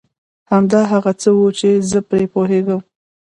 همدا هغه څه و چي زه پرې پوهېږم.